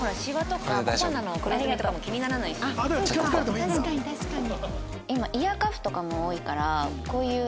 「確かに確かに」